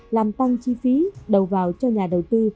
làm tăng chi phí đầu vào cho nhà đầu tư